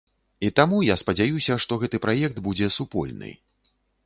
І таму, я спадзяюся, што гэты праект будзе супольны.